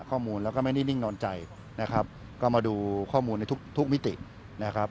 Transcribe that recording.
ข้อมูลแล้วก็ไม่ได้นิ่งนอนใจนะครับก็มาดูข้อมูลในทุกทุกมิตินะครับ